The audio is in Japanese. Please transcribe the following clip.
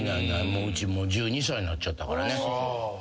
うちもう１２歳になっちゃったからね。